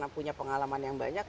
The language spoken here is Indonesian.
punya pengalaman yang banyak